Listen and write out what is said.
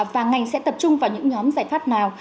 và ngành sẽ tập trung vào những nhóm giải pháp nào